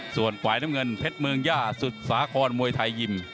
ส่วนฝ่ายน้ำเงินเพชรเมืองย่าสุดสาครมวยไทยยิม